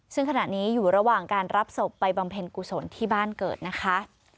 ซึ่งขณะนี้อยู่ระหว่างการรับศพไปบำเพ็ญกุศลที่บ้านเกิดนะคะ